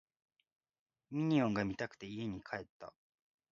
ミニオンが見たくて家に帰った